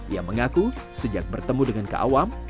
ia mengaku sejak bertemu dengan kak awam